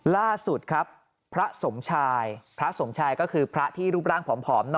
ล่าสุดครับพระสมชายพระสมชายก็คือพระที่รูปร่างผอม